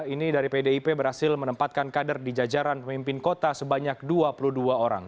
ini dari pdip berhasil menempatkan kader di jajaran pemimpin kota sebanyak dua puluh dua orang